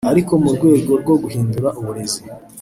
ariko mu rwego rwo guhindura uburezi